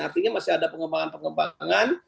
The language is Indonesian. artinya masih ada pengembangan pengembangan